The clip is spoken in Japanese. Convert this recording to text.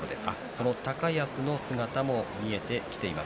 その高安の姿も見えてきています。